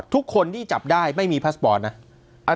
ทุกคนที่จับได้ไม่มีพาสปอร์ตนะ